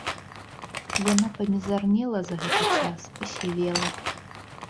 Яна памізарнела за гэты час, пасівела.